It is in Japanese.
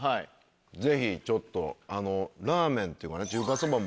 ぜひちょっとラーメンというかね中華そばも。